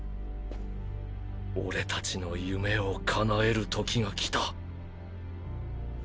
俺たちの夢を叶える時が来た。